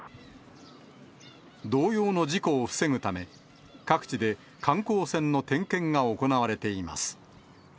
同様の事故を防ぐため、各地で観光船の点検が行われています。